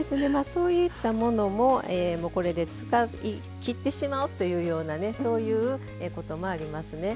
そういったものもこれで使いきってしまうというようなねそういうこともありますね。